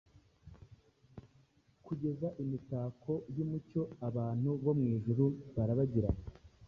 Kugeza imitako yumucyo, Abantu bo mwijuru barabagirana